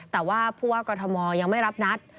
แต่ว่าผู้ว่ากรทมยังไม่รับนัด